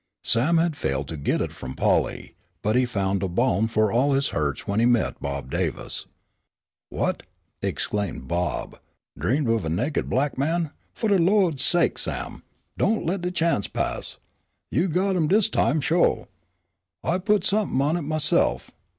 Sam had failed to get it from Polly, but he found a balm for all his hurts when he met Bob Davis. "What!" exclaimed Bob. "Dreamed of a nakid black man. Fu' de Lawd sake, Sam, don' let de chance pass. You got 'em dis time sho'. I'll put somep'n' on it myse'f.